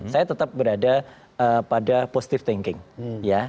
saya tetap berada pada positive thinking ya